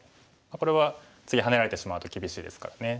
これは次ハネられてしまうと厳しいですからね。